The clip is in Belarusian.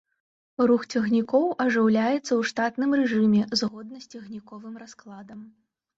Рух цягнікоў ажыццяўляецца ў штатным рэжыме згодна з цягніковым раскладам.